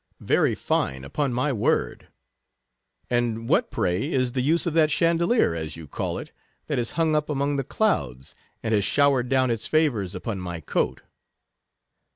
" Very fine, upon my word. And what, pray, is the use of that chandelier, as you call it, that is hung up among the clouds, and has showered down its favours upon my coat